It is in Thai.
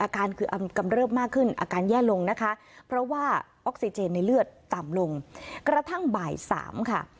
กระทั่งบ่าย๓ค่ะ